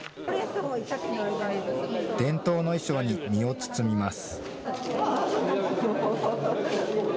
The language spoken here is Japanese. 伝統の衣装に身を包みます。